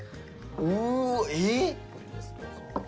うわえっ！？